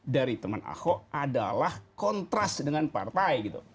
dari teman ahok adalah kontras dengan partai gitu